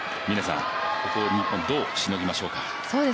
ここ、日本どうしのぎましょうか。